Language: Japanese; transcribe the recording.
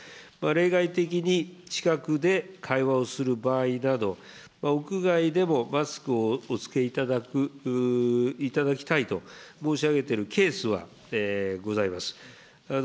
例外的に近くで会話をする場合など、屋外でもマスクをお着けいただく、いただきたいと申し上げているケースはございます。